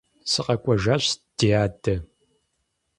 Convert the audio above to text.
СыкъэкӀуэжащ, ди адэ.